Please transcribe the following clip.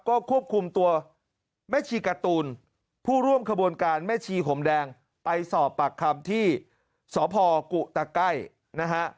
ก็ควบคุมตัวแม่ชีการ์ตูนผู้ร่วมขบวนการแม่ชีห่มแดงไปสอบปากคำที่สพกุตะไก้นะฮะ